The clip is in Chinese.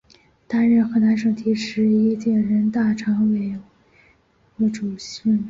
担任河南省第十一届人大常委会副主任。